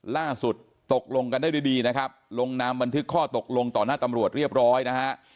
ล่าสุดตกลงกันได้ด้วยดีนะครับลงนามบันทึกข้อตกลงต่อหน้าตำรวจเรียบร้อยนะฮะ